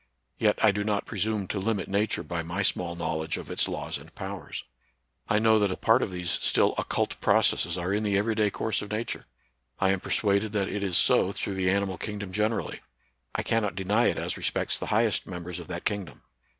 Yet I do not presume to limit Nature by my small knowledge of its laws and powers. I know that a part of these still occult processes are in the every day course of Nature ; I anl persuaded that it is so through the animal king dom generally ; I cannot deny it as respects the highest members of that kingdom.